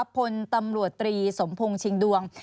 พลตำรวจตรีสมพงศ์ชิงดวง